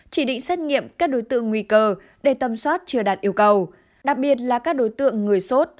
chỉ định xét nghiệm các đối tượng nguy cơ để tâm soát chưa đạt yêu cầu